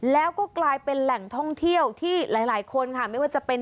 แล้วก็กลายเป็นแหล่งท่องเที่ยวที่หลายหลายคนค่ะไม่ว่าจะเป็น